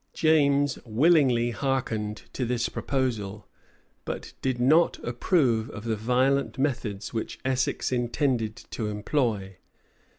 James willingly hearkened to this proposal, but did not approve of the violent methods which Essex intended to employ.